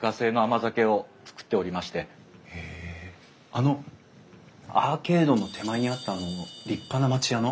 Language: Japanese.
あのアーケードの手前にあったあの立派な町家の？